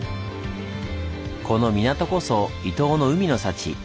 この港こそ伊東の海の幸。